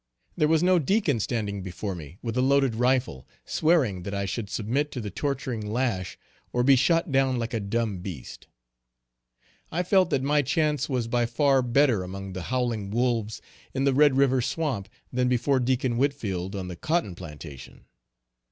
There was no Deacon standing before me, with a loaded rifle, swearing that I should submit to the torturing lash, or be shot down like a dumb beast. I felt that my chance was by far better among the howling wolves in the Red river swamp, than before Deacon Whitfield, on the cotton plantation.